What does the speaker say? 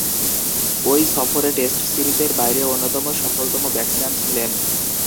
ঐ সফরে টেস্ট সিরিজের বাইরে অন্যতম সফলতম ব্যাটসম্যান ছিলেন।